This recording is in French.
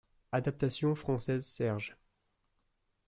Adaptation française Serge.